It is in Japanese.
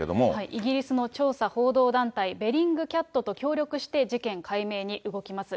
イギリスの調査報道団体、ベリングキャットと協力して、事件解明に動きます。